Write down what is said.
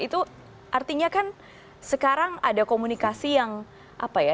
itu artinya kan sekarang ada komunikasi yang apa ya